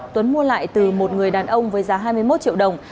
tuấn mua lại từ một người đàn ông với giá hai mươi một triệu đồng